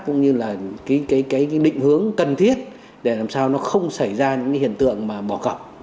cũng như là cái định hướng cần thiết để làm sao nó không xảy ra những hiện tượng mà bỏ gọc